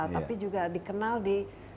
tapi juga dikenal di